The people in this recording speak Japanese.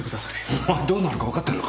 お前どうなるか分かってんのか？